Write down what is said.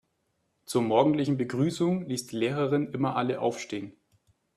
Zur morgendlichen Begrüßung ließ die Lehrerin immer alle aufstehen.